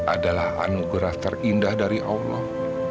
adalah anugerah terindah dari allah